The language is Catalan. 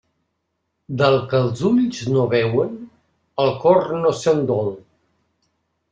Del que els ulls no veuen, el cor no se'n dol.